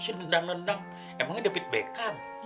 masa sih nendang nendang emangnya debit bekan